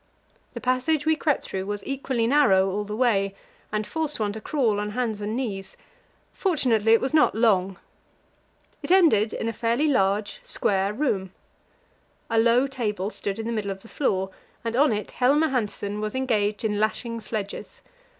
The passage we crept through was equally narrow all the way, and forced one to crawl on hands and knees; fortunately, it was not long. It ended in a fairly large, square room. A low table stood in the middle of the floor, and on it Helmer Hanssen was engaged in lashing sledges.